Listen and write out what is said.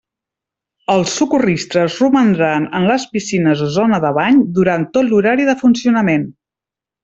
Els socorristes romandran en les piscines o zona de bany durant tot l'horari de funcionament.